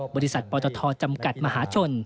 บริษัทปตทจำกัดมหาชน